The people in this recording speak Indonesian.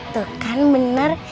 tuh kan bener